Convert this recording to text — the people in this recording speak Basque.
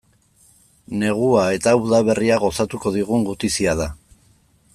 Negua eta udaberria gozatuko digun gutizia da.